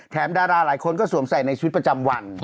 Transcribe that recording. ดาราหลายคนก็สวมใส่ในชีวิตประจำวัน